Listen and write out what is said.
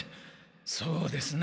そうですね。